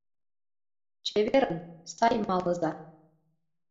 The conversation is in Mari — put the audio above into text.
Чеверын, сай малыза!